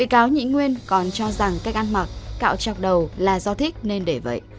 bị cáo nhị nguyên còn cho rằng cách ăn mặc cạo chọc đầu là do thích nên để vậy